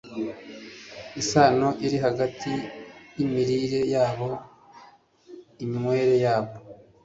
isano iri hagati y’imirire yabo, iminywere yabo,